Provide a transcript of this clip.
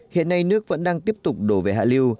hiện nay nước vẫn đang tiếp tục đổ về hạ lưu